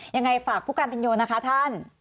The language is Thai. ยังไงฝากผู้การเป็นโยนะคะท่าน